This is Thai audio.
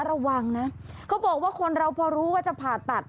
ระวังนะเขาบอกว่าคนเราพอรู้ว่าจะผ่าตัด